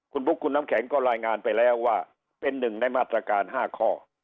คุณบุ๊คคุณน้ำแข็งก็รายงานไปแล้วว่าเป็นหนึ่งในมาตรการ๕ข้อ